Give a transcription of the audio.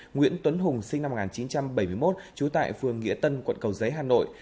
nguyễn tuấn hùng sinh năm một nghìn chín trăm bảy mươi một trú tại phường nghĩa tân quận cầu giấy hà nội